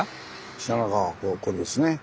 信濃川これですね。